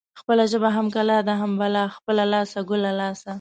خپله ژبه هم کلا ده هم بلا. خپله لاسه ګله لاسه.